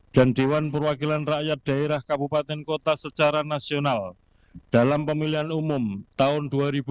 dan dewan perwakilan rakyat daerah kabupaten kota secara nasional dalam pemilihan umum tahun dua ribu dua puluh empat